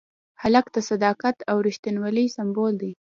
هلک د صداقت او ریښتینولۍ سمبول دی.